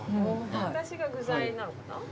あたしが具材なのかな。